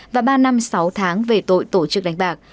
và ba năm sáu tháng về tội tổ chức đánh bạc